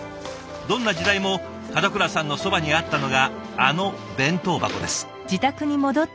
どんな時代も門倉さんのそばにあったのがあの弁当箱です。